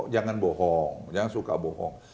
jangan bohong jangan suka bohong